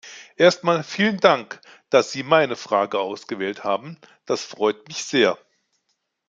Erst einmal vielen Dank, dass Sie meine Frage ausgewählt haben, das freut mich sehr.